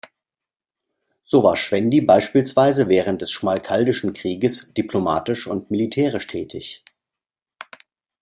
So war Schwendi beispielsweise während des Schmalkaldischen Krieges diplomatisch und militärisch tätig.